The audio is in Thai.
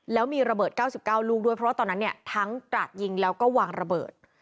แล้วมีระเบิด๙๙ลูกด้วยเพราะว่าตอนนั้นเนี่ยทั้งกราดยิงแล้วก็วางระเบิด